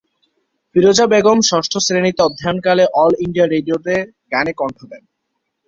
ফিরোজা বেগম ষষ্ঠ শ্রেণিতে অধ্যয়নকালে অল ইন্ডিয়া রেডিওতে গানে কন্ঠ দেন।